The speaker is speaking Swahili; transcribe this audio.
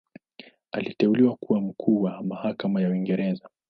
Aliteuliwa kuwa Mkuu wa Mahakama wa Uingereza.